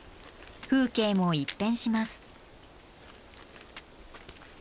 風景も一変します。